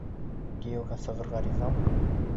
Кейәүгә сығырға ризамы?